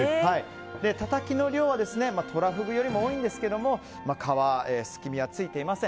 たたきの量は、トラフグよりも多いんですけれども皮、すき身はついていません。